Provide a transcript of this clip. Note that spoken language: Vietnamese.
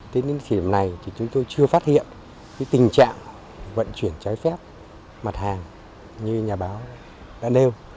đến thời điểm này thì chúng tôi chưa phát hiện tình trạng vận chuyển trái phép mặt hàng như nhà báo đã nêu